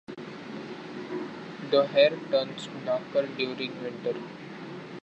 The hair turns darker during winter.